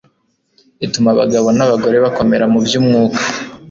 ituma abagabo nabagore bakomera mu byumwuka